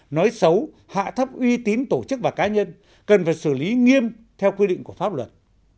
nói xấu hạ thấp uy tín tổ chức và cá nhân cần phải xử lý nghiêm theo quy định của pháp luật